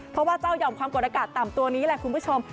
เพราะว่าเจ้าห่อมความกดอากาศต่ำตัวนี้แหละคุณผู้ชม